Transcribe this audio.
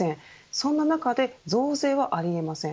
そんな中で増税はありえません。